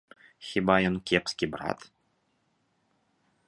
Хіба ён кепскі брат?